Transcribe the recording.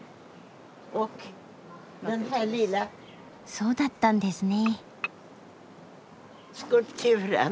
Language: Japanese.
そうだったんですね。